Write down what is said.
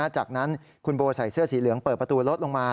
จากนั้นคุณโบใส่เสื้อสีเหลืองเปิดประตูรถลงมา